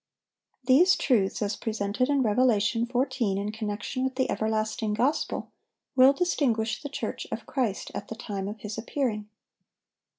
These truths, as presented in Revelation 14 in connection with the "everlasting gospel," will distinguish the church of Christ at the time of His appearing.